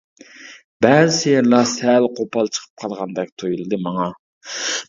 بەزى شېئىرلار سەل قوپال چىقىپ قالغاندەك تۇيۇلدى ماڭا.